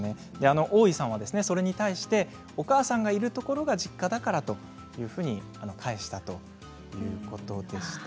大井さんはそれに対してお母さんがいるところが実家だからと返したということです。